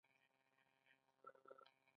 ښوونه او روزنه د هرې ټولنې د پرمختګ بنسټ جوړوي.